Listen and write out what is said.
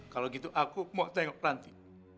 kalau begitu aku mau tengok ranti